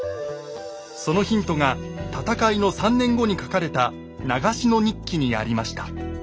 そのヒントが戦いの３年後に書かれた「長篠日記」にありました。